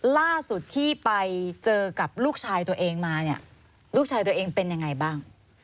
ล่าสุดที่ไปเจอกับลูกชายตัวเองมาเนี่ยลูกชายตัวเองเป็นยังไงบ้าง